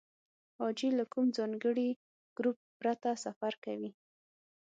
حاجي له کوم ځانګړي ګروپ پرته سفر کوي.